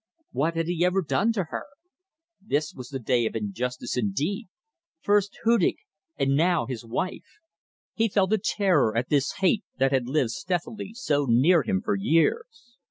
What had he ever done to her? This was the day of injustice indeed. First Hudig and now his wife. He felt a terror at this hate that had lived stealthily so near him for years.